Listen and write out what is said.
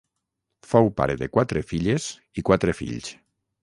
Fou pare de quatre filles i quatre fills.